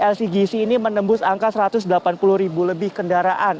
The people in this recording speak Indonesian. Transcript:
lcgc ini menembus angka satu ratus delapan puluh ribu lebih kendaraan